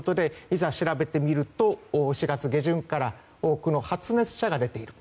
調べてみると４月中旬から多くの発熱者が出ている。